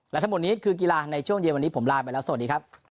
และทั้งหมดนี้คือกีฬาในช่วงเย็นวันนี้ผมลาไปแล้วสวัสดีครับ